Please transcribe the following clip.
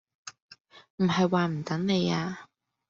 唔係話唔等你啊